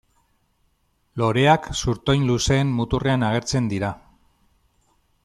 Loreak zurtoin luzeen muturrean agertzen dira.